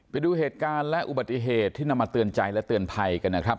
ไปดูเหตุการณ์และอุบัติเหตุที่นำมาเตือนใจและเตือนภัยกันนะครับ